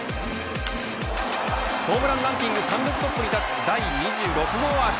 ホームランランキング単独トップに立つ第２６号アーチ。